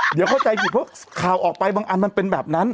เดี๋ยวเข้าใจผิดเพราะข่าวออกไปบางอันมันเป็นแบบนั้น